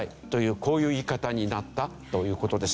こういう言い方になったという事です。